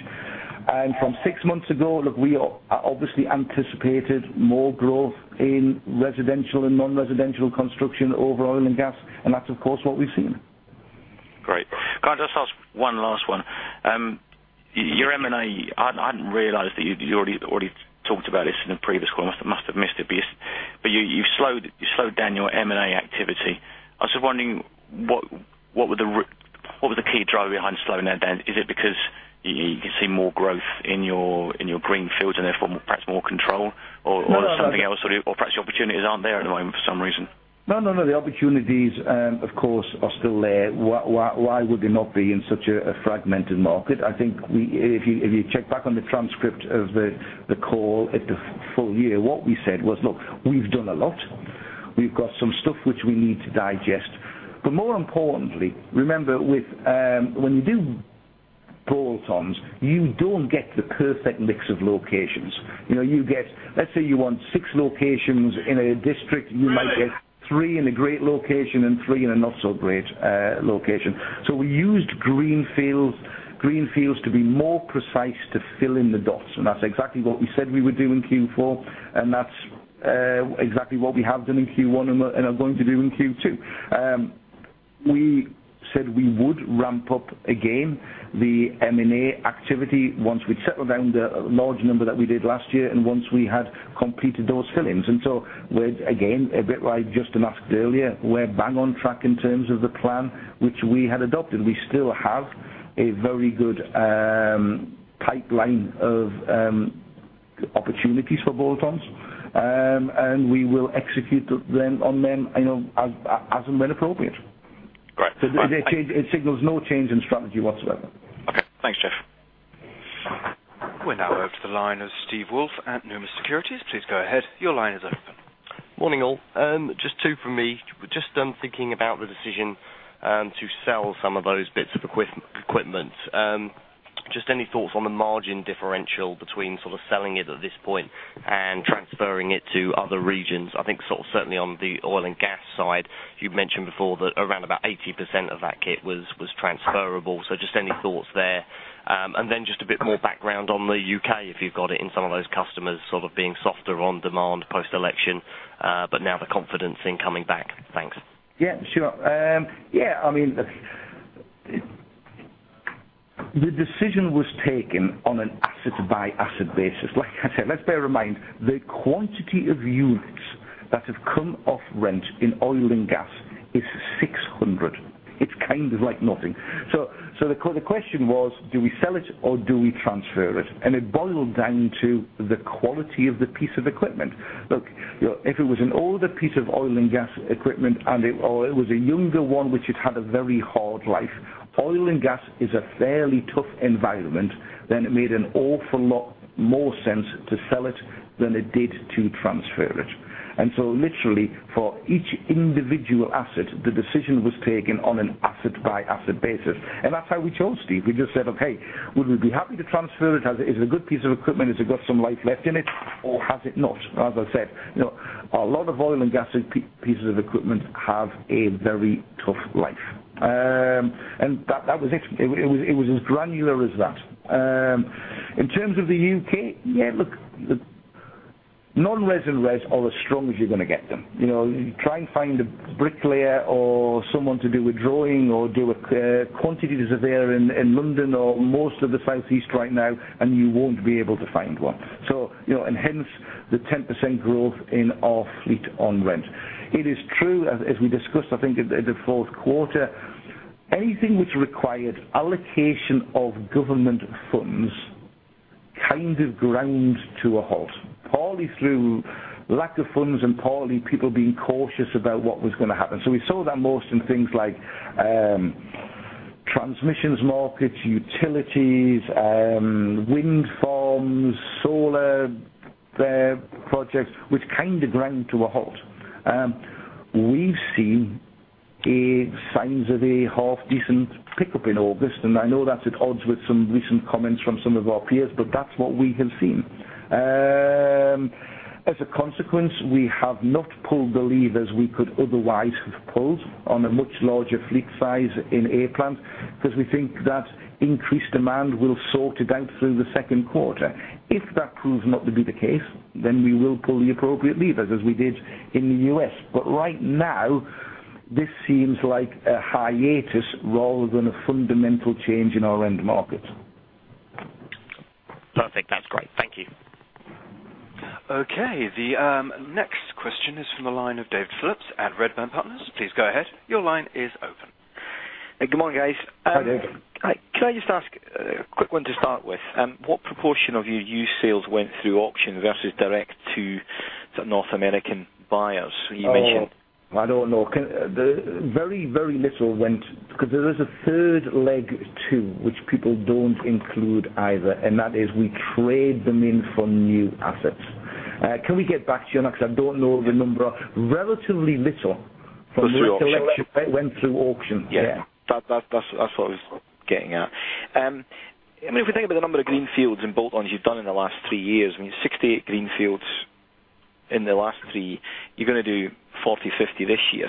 Speaker 2: From six months ago, we obviously anticipated more growth in residential and non-residential construction over oil and gas, and that's, of course, what we've seen.
Speaker 8: Great. Can I just ask one last one? Your M&A, I hadn't realized that you already talked about this in a previous call. I must have missed it. You slowed down your M&A activity. I was wondering what was the key driver behind slowing that down? Is it because you can see more growth in your greenfields and therefore perhaps more control?
Speaker 2: No
Speaker 8: Something else, or perhaps your opportunities aren't there at the moment for some reason?
Speaker 2: No, the opportunities, of course, are still there. Why would they not be in such a fragmented market? I think if you check back on the transcript of the call at the full year, what we said was, "Look, we've done a lot. We've got some stuff which we need to digest." More importantly, remember when you do bolt-ons, you don't get the perfect mix of locations. Let's say you want six locations in a district, you might get three in a great location and three in a not so great location. We used greenfields to be more precise to fill in the dots, and that's exactly what we said we would do in Q4, and that's exactly what we have done in Q1 and are going to do in Q2. We said we would ramp up again the M&A activity once we'd settled down the large number that we did last year and once we had completed those fill-ins. Again, a bit like Justin asked earlier, we're bang on track in terms of the plan which we had adopted. We still have a very good pipeline of opportunities for bolt-ons, and we will execute on them as and when appropriate.
Speaker 8: Great. It signals no change in strategy whatsoever. Okay. Thanks, Geoff.
Speaker 1: We're now over to the line of Steve Woolf at Numis Securities. Please go ahead. Your line is open.
Speaker 9: Morning, all. Just two from me. Just thinking about the decision to sell some of those bits of equipment. Just any thoughts on the margin differential between sort of selling it at this point and transferring it to other regions? I think certainly on the oil and gas side, you've mentioned before that around about 80% of that kit was transferable. Just any thoughts there? Then just a bit more background on the U.K., if you've got it, in some of those customers sort of being softer on demand post-election, now the confidence in coming back. Thanks.
Speaker 2: Yeah, sure. The decision was taken on an asset-by-asset basis. Like I said, let's bear in mind, the quantity of units that have come off rent in oil and gas is 600. It's kind of like nothing. The question was, do we sell it or do we transfer it? It boiled down to the quality of the piece of equipment. Look, if it was an older piece of oil and gas equipment or it was a younger one which had had a very hard life, oil and gas is a fairly tough environment, then it made an awful lot more sense to sell it than it did to transfer it. Literally, for each individual asset, the decision was taken on an asset-by-asset basis. That's how we chose, Steve. We just said, "Okay, would we be happy to transfer it? Is it a good piece of equipment? Has it got some life left in it or has it not?" As I said, a lot of oil and gas pieces of equipment have a very tough life. That was it. It was as granular as that. In terms of the U.K., yeah, look, the non-res and res are as strong as you're going to get them. Try and find a bricklayer or someone to do a drawing or quantities are there in London or most of the Southeast right now, you won't be able to find one. Hence the 10% growth in our fleet on rent. It is true, as we discussed, I think in the fourth quarter, anything which required allocation of government funds kind of ground to a halt, partly through lack of funds and partly people being cautious about what was going to happen. We saw that most in things like transmissions markets, utilities, wind farms, solar projects, which kind of ground to a halt. We've seen signs of a half-decent pickup in August, and I know that's at odds with some recent comments from some of our peers, but that's what we have seen. As a consequence, we have not pulled the levers we could otherwise have pulled on a much larger fleet size in A-Plant's, because we think that increased demand will sort it out through the second quarter. If that proves not to be the case, then we will pull the appropriate levers, as we did in the U.S. Right now, this seems like a hiatus rather than a fundamental change in our end market.
Speaker 9: Perfect. That's great. Thank you.
Speaker 1: The next question is from the line of David Phillips at Redburn Partners. Please go ahead. Your line is open.
Speaker 10: Good morning, guys.
Speaker 2: Hi, David.
Speaker 10: Can I just ask a quick one to start with? What proportion of your used sales went through auction versus direct to North American buyers? You mentioned-
Speaker 2: I don't know. Very, very little went. There is a third leg, too, which people don't include either, and that is we trade them in for new assets. Can we get back to you on that? I don't know the number. Relatively little-
Speaker 10: Through auction
Speaker 2: from the last election went through auction. Yeah.
Speaker 10: That's what I was getting at. If we think about the number of greenfields and bolt-ons you've done in the last three years, I mean, 68 greenfields in the last three, you're going to do 40, 50 this year.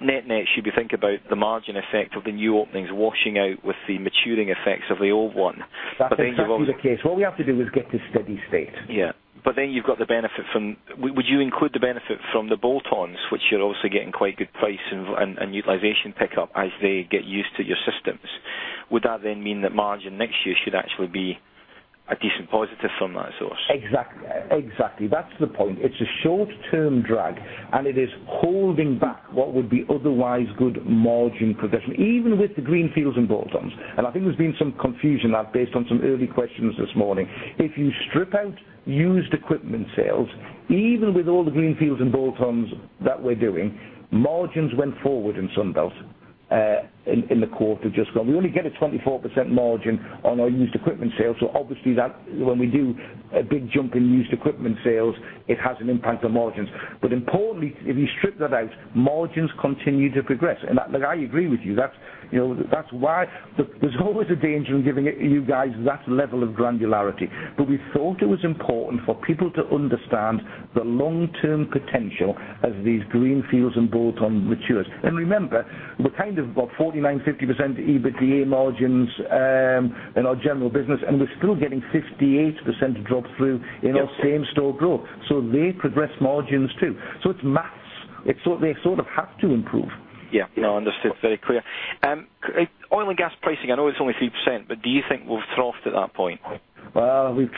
Speaker 10: Net-net, should we think about the margin effect of the new openings washing out with the maturing effects of the old one?
Speaker 2: That's exactly the case. What we have to do is get to steady state.
Speaker 9: Yeah. Would you include the benefit from the bolt-ons, which you're also getting quite good price and utilization pickup as they get used to your systems? Would that then mean that margin next year should actually be a decent positive from that source?
Speaker 2: Exactly. That's the point. It's a short-term drag, it is holding back what would be otherwise good margin progression, even with the greenfields and bolt-ons. I think there's been some confusion based on some early questions this morning. If you strip out used equipment sales, even with all the greenfields and bolt-ons that we're doing, margins went forward in Sunbelt in the quarter just gone. We only get a 24% margin on our used equipment sales, obviously when we do a big jump in used equipment sales, it has an impact on margins. Importantly, if you strip that out, margins continue to progress. Look, I agree with you. There's always a danger in giving you guys that level of granularity. We thought it was important for people to understand the long-term potential as these greenfields and bolt-on matures. Remember, we kind of got 49%, 50% EBITDA margins in our general business, and we're still getting 58% drop-through in our same-store growth. They progress margins too. It's maths. They sort of have to improve.
Speaker 10: Yeah. No, understood. Very clear. Oil and gas pricing, I know it's only 3%, do you think we've troughed at that point?
Speaker 2: Well, we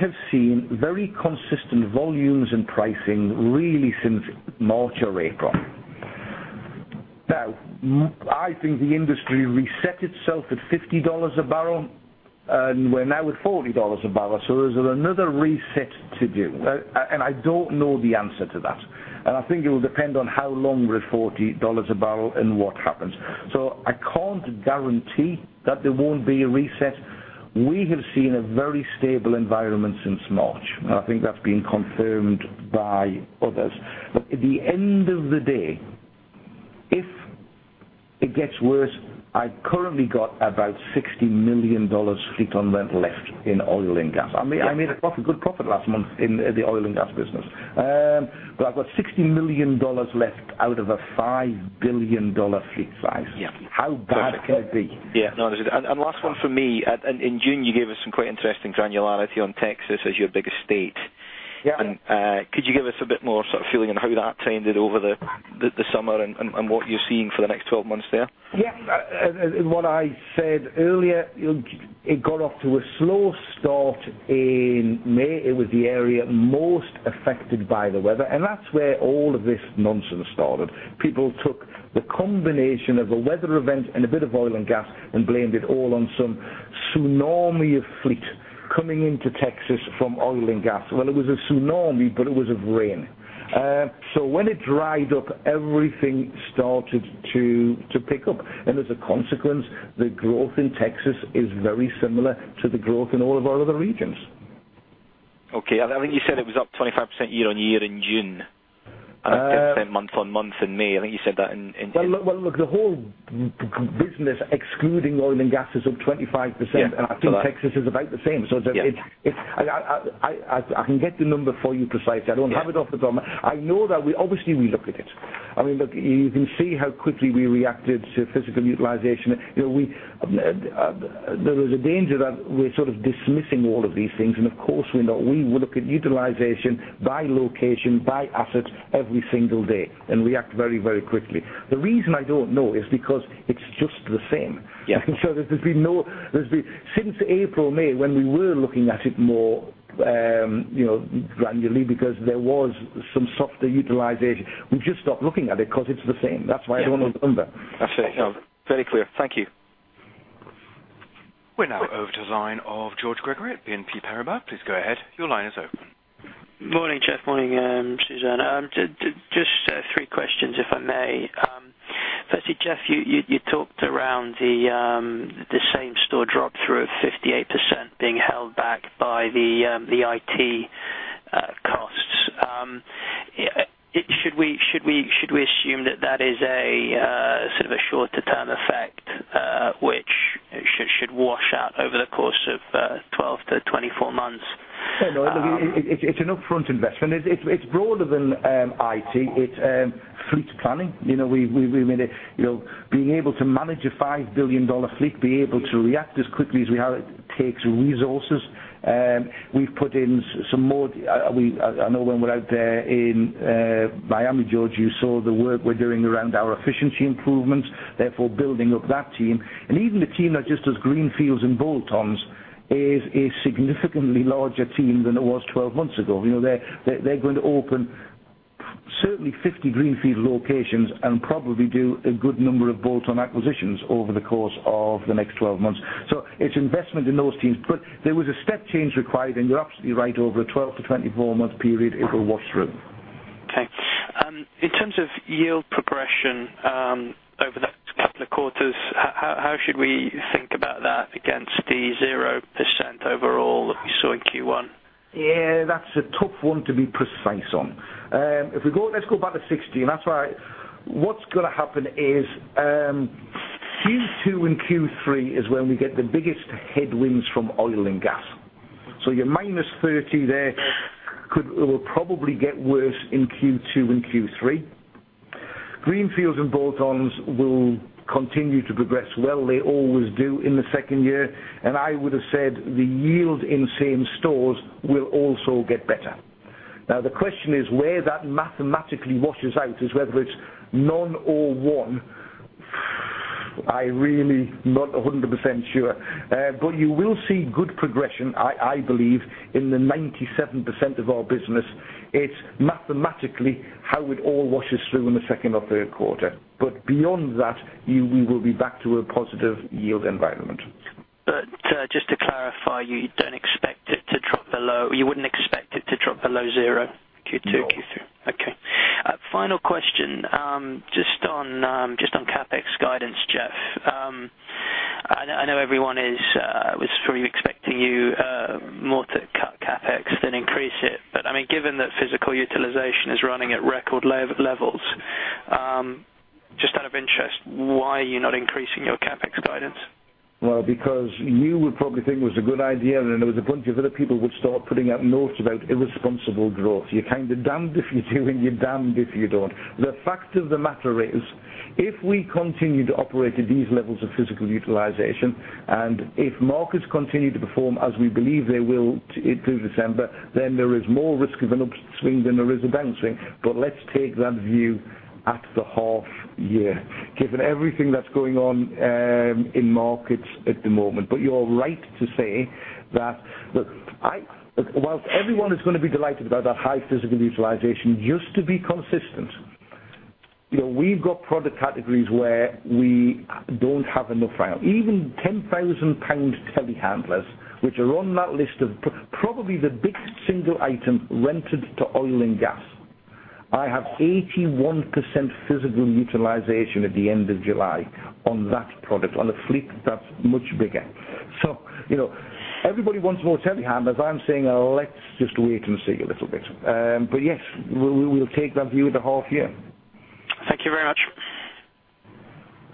Speaker 2: have seen very consistent volumes in pricing really since March or April. I think the industry reset itself at $50 a barrel, and we're now at $40 a barrel, there's another reset to do. I don't know the answer to that. I think it will depend on how long we're at $40 a barrel and what happens. I can't guarantee that there won't be a reset. We have seen a very stable environment since March, and I think that's been confirmed by others. But at the end of the day, if it gets worse, I currently got about $60 million fleet on rent left in oil and gas. I made a good profit last month in the oil and gas business. But I've got $60 million left out of a $5 billion fleet size.
Speaker 10: Yeah. How bad can it be? Yeah. No, last one from me. In June, you gave us some quite interesting granularity on Texas as your biggest state.
Speaker 2: Yeah.
Speaker 10: Could you give us a bit more sort of feeling on how that trended over the summer and what you're seeing for the next 12 months there?
Speaker 2: Yeah. What I said earlier, it got off to a slow start in May. It was the area most affected by the weather, that's where all of this nonsense started. People took the combination of a weather event and a bit of oil and gas and blamed it all on some tsunami of fleet coming into Texas from oil and gas. Well, it was a tsunami, but it was of rain. When it dried up, everything started to pick up. As a consequence, the growth in Texas is very similar to the growth in all of our other regions.
Speaker 10: Okay. I think you said it was up 25% year-on-year in June. Up 10% month-on-month in May.
Speaker 2: Well, look, the whole business excluding oil and gas is up 25%.
Speaker 10: Yeah. All right.
Speaker 2: I think Texas is about the same.
Speaker 10: Yeah.
Speaker 2: I can get the number for you precisely. I don't have it off the top of my. I know that obviously we look at it. I mean, look, you can see how quickly we reacted to physical utilization. There is a danger that we're sort of dismissing all of these things, and of course we look at utilization by location, by assets every single day, and react very quickly. The reason I don't know is because it's just the same.
Speaker 10: Yeah.
Speaker 2: There's been, since April, May, when we were looking at it more granularly, because there was some softer utilization, we've just stopped looking at it because it's the same. That's why I don't know the number.
Speaker 10: I see. No. Very clear. Thank you.
Speaker 1: We're now over to the line of George Gregory at BNP Paribas. Please go ahead. Your line is open.
Speaker 11: Morning, Geoff. Morning, Suzanne. Just three questions, if I may. Firstly, Geoff, you talked around the same-store drop-through of 58% being held back by the IT costs. Should we assume that that is a sort of shorter-term effect, which should wash out over the course of 12 to 24 months?
Speaker 2: No. It's an upfront investment. It's broader than IT. It's fleet planning. Being able to manage a GBP 5 billion fleet, be able to react as quickly as we have, it takes resources. We've put in some more. I know when we're out there in Miami, George, you saw the work we're doing around our efficiency improvements. Therefore, building up that team. Even the team that just does greenfields and bolt-ons is a significantly larger team than it was 12 months ago. They're going to open certainly 50 greenfield locations and probably do a good number of bolt-on acquisitions over the course of the next 12 months. It's investment in those teams. There was a step change required, and you're absolutely right. Over a 12 to 24-month period, it will wash through.
Speaker 11: Okay. In terms of yield progression over those couple of quarters, how should we think about that against the 0% overall that we saw in Q1?
Speaker 2: Yeah, that's a tough one to be precise on. Let's go back to 60. That's why what's going to happen is, Q2 and Q3 is when we get the biggest headwinds from oil and gas. Your -30 there will probably get worse in Q2 and Q3. Greenfields and bolt-ons will continue to progress well. They always do in the second year. I would've said the yield in same-store will also get better. The question is where that mathematically washes out is whether it's none or one. I really not 100% sure. You will see good progression, I believe, in the 97% of our business. It's mathematically how it all washes through in the second or third quarter. Beyond that, we will be back to a positive yield environment.
Speaker 11: Just to clarify, you wouldn't expect it to drop below zero Q2, Q3?
Speaker 2: No.
Speaker 11: Okay. Final question. Just on CapEx guidance, Geoff. I know everyone was sort of expecting you more to cut CapEx than increase it. Given that physical utilization is running at record levels, just out of interest, why are you not increasing your CapEx guidance?
Speaker 2: Well, because you would probably think it was a good idea, and there was a bunch of other people who would start putting out notes about irresponsible growth. You're kind of damned if you do, and you're damned if you don't. The fact of the matter is, if we continue to operate at these levels of physical utilization, and if markets continue to perform as we believe they will through December, then there is more risk of an upswing than there is a downswing. Let's take that view at the half-year, given everything that's going on in markets at the moment. You're right to say that, look, while everyone is going to be delighted about that high physical utilization, just to be consistent, we've got product categories where we don't have enough. Even 10,000 pound telehandlers, which are on that list of probably the biggest single item rented to oil and gas. I have 81% physical utilization at the end of July on that product, on a fleet that's much bigger. Everybody wants more telehandlers. I'm saying let's just wait and see a little bit. Yes, we'll take that view at the half-year.
Speaker 11: Thank you very much.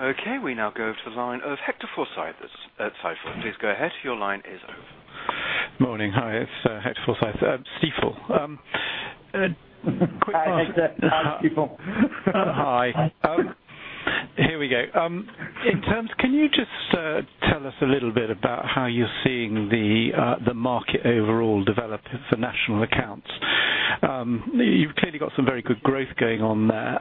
Speaker 1: Okay, we now go to the line of Hector Forsythe at Stifel. Please go ahead. Your line is open.
Speaker 12: Morning. Hi, it's Hector Forsythe at Stifel.
Speaker 2: Hi, Hector at Stifel.
Speaker 12: Hi. Here we go. In terms, can you just tell us a little bit about how you're seeing the market overall develop for national accounts? You've clearly got some very good growth going on there.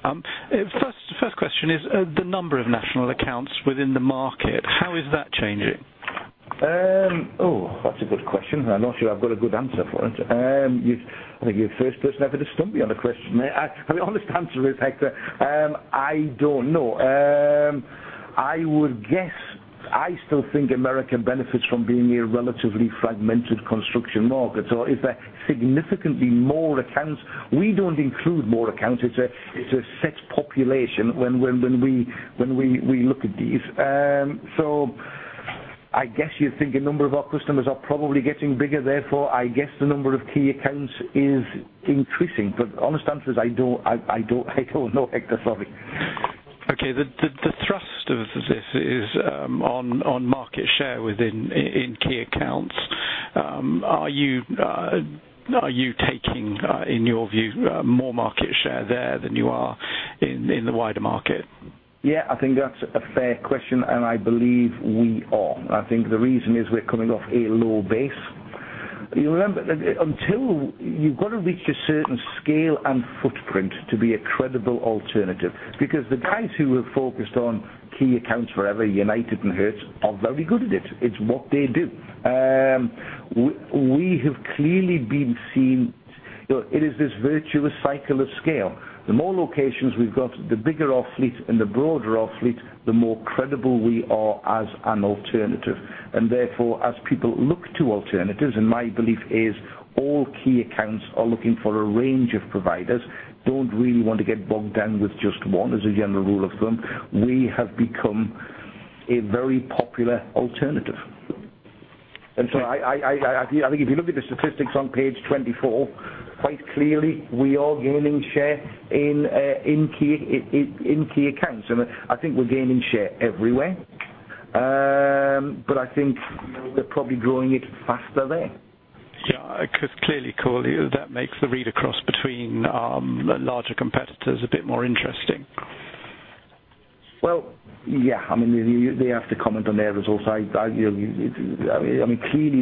Speaker 12: First question is the number of national accounts within the market, how is that changing?
Speaker 2: Oh, that's a good question. I'm not sure I've got a good answer for it. I think you're the first person ever to stump me on a question. The honest answer is, Hector, I don't know. I would guess, I still think American benefits from being a relatively fragmented construction market. Is there significantly more accounts? We don't include more accounts. It's a set population when we look at these. I guess you'd think a number of our customers are probably getting bigger, therefore, I guess the number of key accounts is increasing. Honest answer is, I don't know, Hector, sorry.
Speaker 12: Okay. The thrust of this is on market share within key accounts. Are you taking, in your view, more market share there than you are in the wider market?
Speaker 2: Yeah, I think that's a fair question. I believe we are. I think the reason is we're coming off a low base. You remember, until you've got to reach a certain scale and footprint to be a credible alternative because the guys who have focused on key accounts forever, United Rentals and Hertz, are very good at it. It's what they do. We have clearly been seen It is this virtuous cycle of scale. The more locations we've got, the bigger our fleet and the broader our fleet, the more credible we are as an alternative. Therefore, as people look to alternatives, my belief is all key accounts are looking for a range of providers, don't really want to get bogged down with just one as a general rule of thumb. We have become a very popular alternative. I think if you look at the statistics on page 24, quite clearly we are gaining share in key accounts. I think we're gaining share everywhere. I think we're probably growing it faster there.
Speaker 12: Because clearly that makes the read across between larger competitors a bit more interesting.
Speaker 2: They have to comment on their results. Clearly,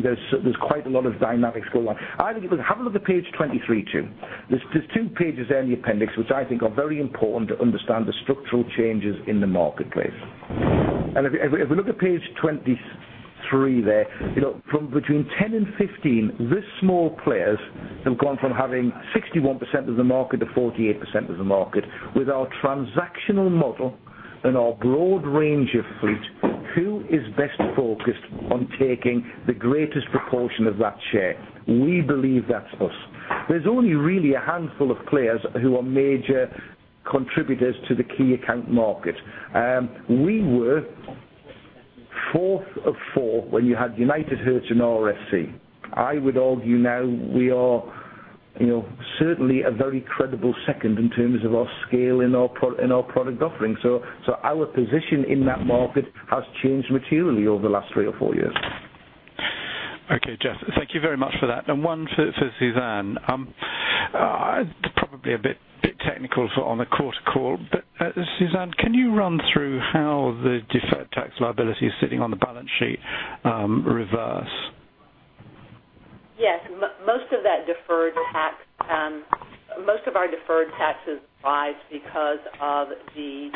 Speaker 2: there's quite a lot of dynamics going on. Have a look at page 23 too. There's two pages there in the appendix, which I think are very important to understand the structural changes in the marketplace. If we look at page 23 there, from between 10 and 15, these small players have gone from having 61% of the market to 48% of the market with our transactional model and our broad range of fleet. Who is best focused on taking the greatest proportion of that share? We believe that's us. There's only really a handful of players who are major contributors to the key account market. We were fourth of four when you had United, Hertz, and RSC. I would argue now we are certainly a very credible second in terms of our scale and our product offering. Our position in that market has changed materially over the last three or four years.
Speaker 12: Okay, Geoff, thank you very much for that. One for Suzanne. Probably a bit technical on the quarter call. Suzanne, can you run through how the deferred tax liability sitting on the balance sheet reverses?
Speaker 3: Yes. Most of our deferred taxes rise because of the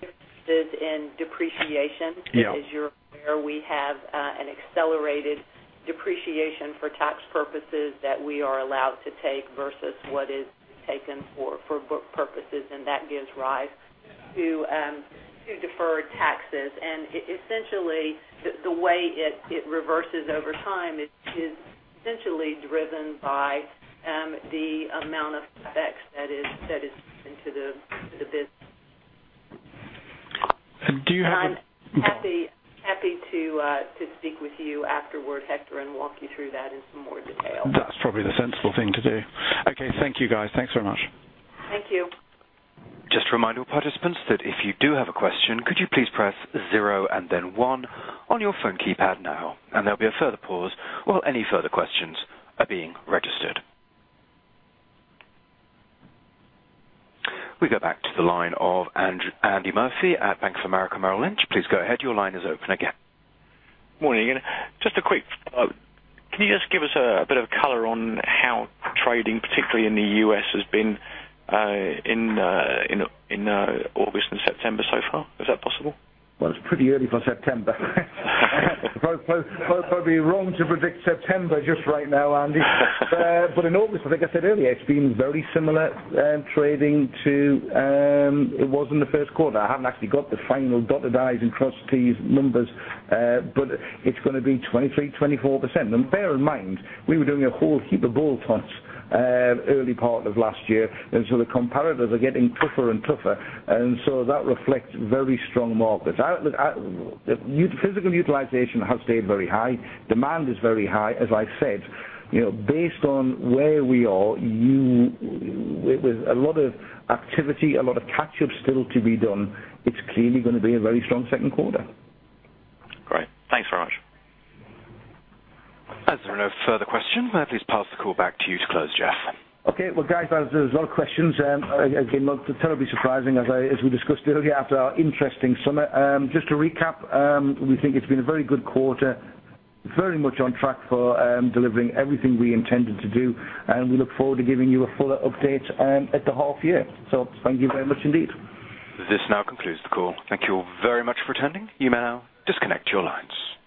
Speaker 3: differences in depreciation.
Speaker 12: Yeah.
Speaker 3: As you're aware, we have an accelerated depreciation for tax purposes that we are allowed to take versus what is taken for book purposes, and that gives rise to deferred taxes. Essentially, the way it reverses over time is essentially driven by the amount of assets that is set into the business.
Speaker 2: Do you have-
Speaker 3: I'm happy to speak with you afterward, Hector, and walk you through that in some more detail.
Speaker 2: That's probably the sensible thing to do. Okay. Thank you, guys. Thanks very much.
Speaker 3: Thank you.
Speaker 1: Just a reminder to participants that if you do have a question, could you please press zero and then one on your phone keypad now. There'll be a further pause while any further questions are being registered. We go back to the line of Andy Murphy at Bank of America Merrill Lynch. Please go ahead. Your line is open again.
Speaker 8: Morning. Just a quick follow-up. Can you just give us a bit of color on how trading, particularly in the U.S., has been in August and September so far? Is that possible?
Speaker 2: Well, it's pretty early for September. Probably wrong to predict September just right now, Andy. In August, I think I said earlier, it's been very similar trading to it was in the first quarter. I haven't actually got the final dotted I's and crossed T's numbers. It's going to be 23%, 24%. Bear in mind, we were doing a whole heap of bolt-ons early part of last year. The comparatives are getting tougher and tougher. That reflects very strong markets. Physical utilization has stayed very high. Demand is very high. As I said, based on where we are, with a lot of activity, a lot of catch-up still to be done. It's clearly going to be a very strong second quarter.
Speaker 8: Great. Thanks very much.
Speaker 1: As there are no further questions, may I please pass the call back to you to close, Geoff.
Speaker 2: Okay. Well, guys, there's a lot of questions. Not terribly surprising, as we discussed earlier after our interesting summer. Just to recap, we think it's been a very good quarter. Very much on track for delivering everything we intended to do, and we look forward to giving you a fuller update at the half year. Thank you very much indeed.
Speaker 1: This now concludes the call. Thank you all very much for attending. You may now disconnect your lines.